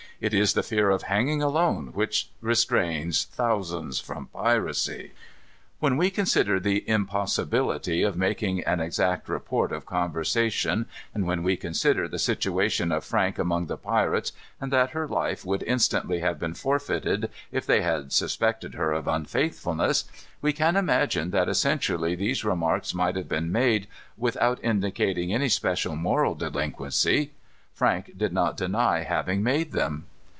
It is the fear of hanging alone which restrains thousands from piracy." When we consider the impossibility of making an exact report of conversation, and when we consider the situation of Frank among the pirates, and that her life would instantly have been forfeited if they had suspected her of unfaithfulness, we can imagine that essentially these remarks might have been made, without indicating any special moral delinquency. Frank did not deny having made them.